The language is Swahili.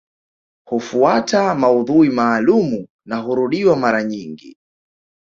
Hufuata maudhui maalumu na hurudiwa mara nyingi